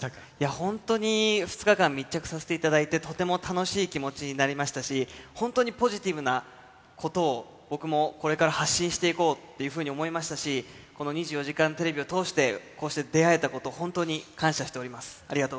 本当に２日間密着させていただいて、とても楽しい気持ちになりましたし、本当にポジティブなことを、僕もこれから発信していこうというふうに思いましたし、この２４時間テレビを通して、こうして出会えたこと、本当に感謝しております。